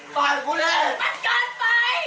แล้วกูพูดมาแน่ทุกทางไป